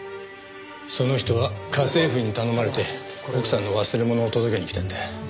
その人は家政婦に頼まれて奥さんの忘れ物を届けに来たんだ。